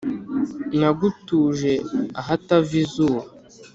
Nagutuje ahatava izuba,